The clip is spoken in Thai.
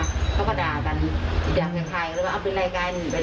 อนุธาวะผมขับมันกลับปาดหน้ามันจะแดงแหลท